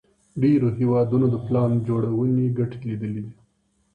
ډېرو هېوادونو د پلان جوړوني ګټي ليدلي دي.